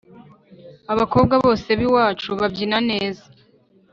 abakobwa bose bi iwacu babyina neza